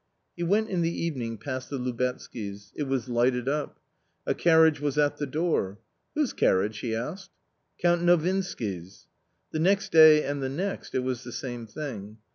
He went in the evening past the Lubetzkys. It was lighted up. A carriage was at the door. ?" he asked. Count Novinsk y* The next day ana the next it was the same thing.